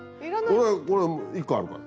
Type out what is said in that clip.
俺これ１個あるから。